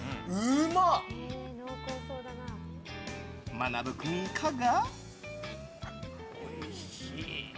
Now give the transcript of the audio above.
まなぶ君、いかが？